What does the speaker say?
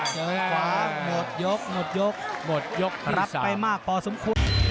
สืบขวาหมดยก